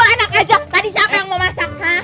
eh enak aja tadi siapa yang mau masak hah